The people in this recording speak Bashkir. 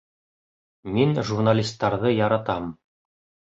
Мин журналистарҙы яратам.